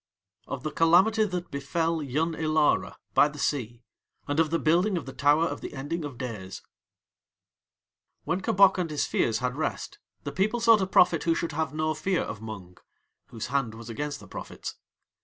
OF THE CALAMITY THAT BEFEL YUN ILARA BY THE SEA, AND OF THE BUILDING OF THE TOWER OF THE ENDING OF DAYS When Kabok and his fears had rest the people sought a prophet who should have no fear of Mung, whose hand was against the prophets.